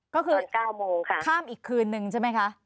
ก็คือข้ามอีกคืนนึงใช่ไหมคะ